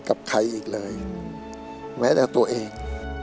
กับใครอีกเลยแม้แต่ตัวเอง